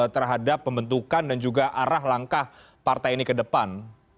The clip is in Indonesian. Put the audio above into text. terhadap pembentukan dan juga arah langkah partai ini ke depan